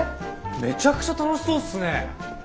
めちゃくちゃ楽しそうっすね。